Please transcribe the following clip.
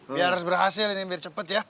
biar berhasil ini biar cepet ya